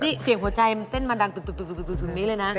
นี่เสียงหัวใจมันเต้นมาดันตุบถึงนี้เลยนะ